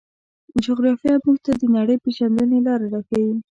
جغرافیه موږ ته د نړۍ د پېژندنې لاره راښيي.